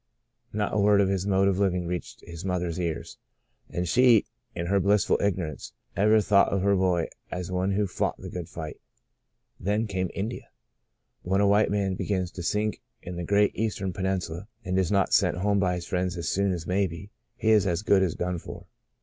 Not a word of his mode of living reached his mother's ears, and she, in her blissful ignorance, ever thought of her boy as one who fought the good fight. Then came India. When a white man be EICHAED H. EGBERTS. The Blossoming Desert 143 gins to sink in the great Eastern peninsula and is not sent home by his friends as soon as may be, he is as good as done for.